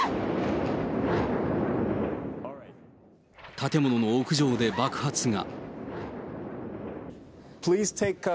建物の屋上で爆発が。